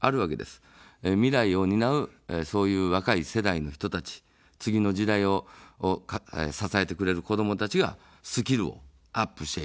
未来を担う、そういう若い世代の人たち、次の時代を支えてくれる子どもたちがスキルをアップしていく。